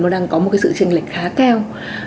nó đang có sự tranh lệch khá cao